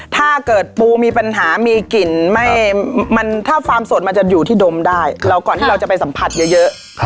ถ้าเกิดปูมีปัญหามีกลิ่นไม่มันถ้าฟาร์มสดมันจะอยู่ที่ดมได้คือเราก่อนที่เราจะไปสัมผัสเยอะเยอะครับ